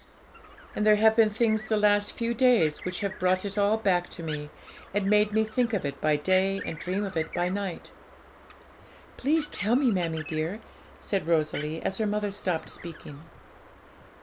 And there have been things the last few days which have brought it all back to me, and made me think of it by day and dream of it by night.' 'Please tell me, mammie dear,' said Rosalie, as her mother stopped speaking.